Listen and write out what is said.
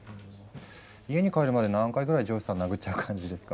家に帰るまで何回ぐらい上司さん殴っちゃう感じですか？